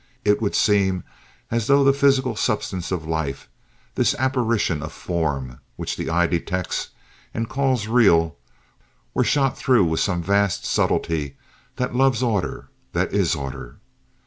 It would seem as though the physical substance of life—this apparition of form which the eye detects and calls real were shot through with some vast subtlety that loves order, that is order.